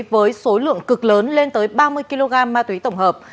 với số lượng cực lớn lên tới ba mươi kg ma túy tổng hợp